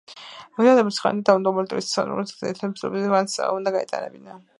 ამდენად, მრისხანე და დაუნდობელი მტრის წინააღმდეგ ძირითადი ბრძოლები ვანს უნდა გადაეტანა.